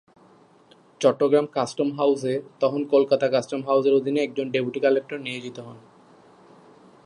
Chittagong custom হাউসে তখন Kolkata custom হাউসের অধীনে একজন ডেপুটি কালেক্টর নিয়োজিত হন।